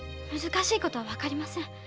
難しいことはわかりません。